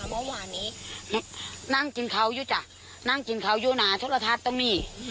เมื่อวานนี้นั่งจิงเขาอยู่จ้ะนั่งจิงเขาอยู่น่าทุกระทัดตรงนี้